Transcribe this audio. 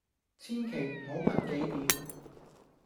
千祈唔好問幾點